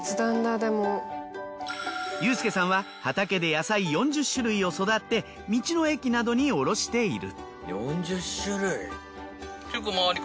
祐介さんは畑で野菜４０種類を育て道の駅などに卸している。